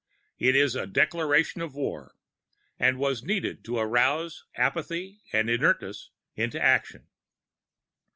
It is a declaration of war, and was needed to arouse apathy and inertness to action.